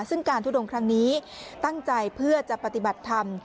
ซึ่งการทุดงครั้งนี้ตั้งใจเพื่อจะปฏิบัติธรรม